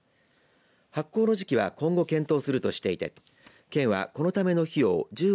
発行の時期は今後検討するとしていて県は、このための費用